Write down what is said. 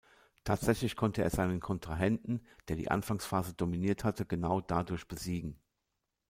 Tatsächlich konnte er seinen Kontrahenten, der die Anfangsphase dominiert hatte, genau dadurch besiegen.